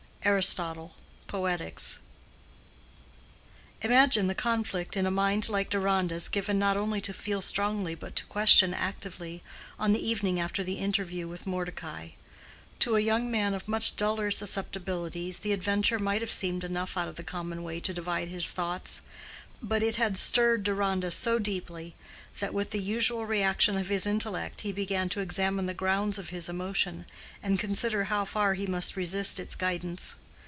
'" —ARISTOTLE: Poetics. Imagine the conflict in a mind like Deronda's given not only to feel strongly but to question actively, on the evening after the interview with Mordecai. To a young man of much duller susceptibilities the adventure might have seemed enough out of the common way to divide his thoughts; but it had stirred Deronda so deeply, that with the usual reaction of his intellect he began to examine the grounds of his emotion, and consider how far he must resist its guidance.